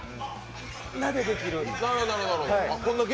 みんなでできる。